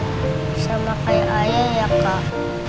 bisa makai ayah ya kak